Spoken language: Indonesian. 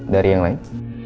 dari yang lain